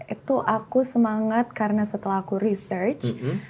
itu aku semangat karena setelah aku research